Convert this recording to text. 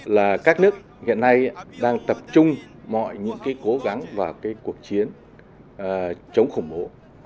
là các nước hiện nay đang tập trung mọi những cái cố gắng và cái cuộc chiến chống khủng bố